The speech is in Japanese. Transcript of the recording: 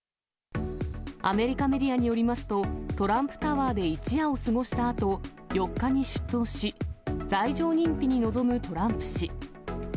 アメリカメディアによりますと、トランプタワーで一夜を過ごしたあと、４日に出頭し、罪状認否に臨むトランプ氏。